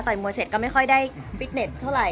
ต่อยมวยเสร็จก็ไม่ค่อยได้